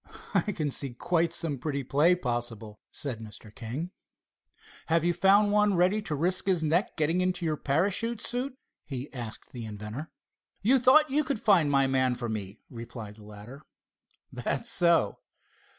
"I can see quite some pretty play possible," said Mr. King. "Have you found one ready to risk his neck getting into your parachute suit?" he asked of the inventor. "You thought you could find my man for me," reminded the latter. "That's so."